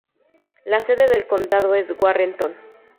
La sede del condado es Warrenton.